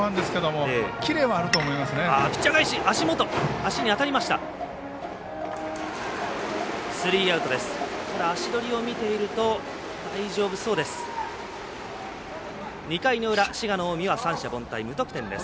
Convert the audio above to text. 足に当たりましたが足取りを見ていると大丈夫そうです。